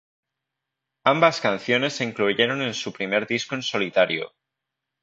Ambas canciones se incluyeron en su primer disco en solitario.